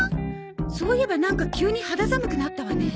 そういえばなんか急に肌寒くなったわね。